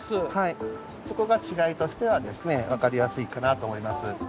そこが違いとしてはですねわかりやすいかなと思います。